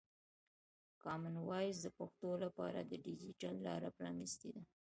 کامن وایس د پښتو لپاره د ډیجیټل لاره پرانستې ده.